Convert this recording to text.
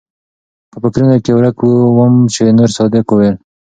پۀ فکرونو کښې ورک ووم چې نورصادق وويل